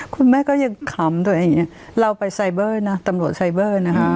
คุณแม่ก็ยังขำตัวเองเราไปไซเบอร์นะตำรวจไซเบอร์นะคะ